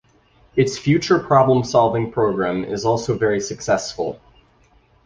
Its Future Problem Solving Program is also very successful.